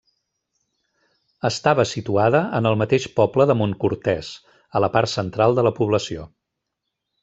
Estava situada en el mateix poble de Montcortès, a la part central de la població.